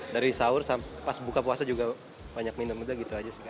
dari sahur sampai pas buka puasa juga banyak minum aja gitu aja sih